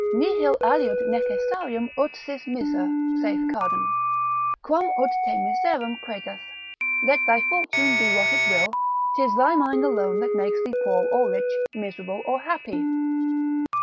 Nihil aliud necessarium ut sis miser (saith Cardan) quam ut te miserum credas, let thy fortune be what it will, 'tis thy mind alone that makes thee poor or rich, miserable or happy.